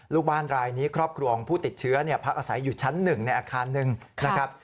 ลูกบ้านรายนี้ครอบครัวของผู้ติดเชื้อพักอาศัยอยู่ชั้น๑ในอาคารหนึ่งนะครับ